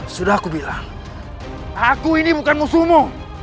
sudah aku bilang aku ini bukan musuhmu